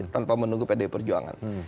tanpa menunggu pdi perjuangan